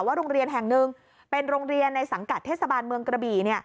โรงเรียนแห่งหนึ่งเป็นโรงเรียนในสังกัดเทศบาลเมืองกระบี่